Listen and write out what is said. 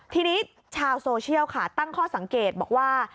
ทีนี้ชาวโซเชียลค่ะตั้งข้อสังเกตบอกว่า